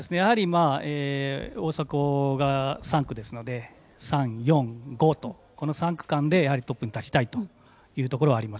大迫が３区ですので３、４、５と、この３区間でトップに立ちたいというところはあります。